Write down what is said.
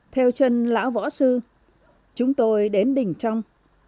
theo trần lão võ sư chúng tôi đến đình trong